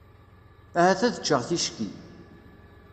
Ahat ad ččeɣ ticki.